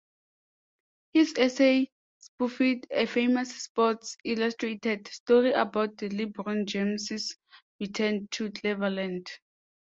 His essay spoofed a famous "Sports Illustrated" story about LeBron James's return to Cleveland.